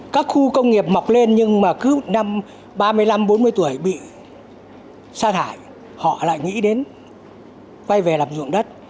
các khu công nghiệp mọc lên nhưng mà cứ năm ba mươi năm bốn mươi tuổi bị sa thải họ lại nghĩ đến quay về làm dụng đất